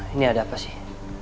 ini ada apa sih